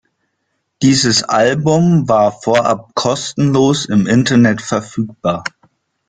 Dieses Album war vorab kostenlos im Internet verfügbar.